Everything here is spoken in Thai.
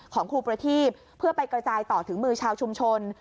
ของครูประทีบเพื่อไปกระจายต่อถึงมือชาวชุมชน